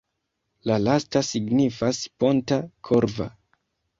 La lasta signifas ponta-korva.